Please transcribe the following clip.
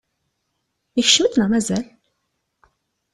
Ikcem-d neɣ mazal?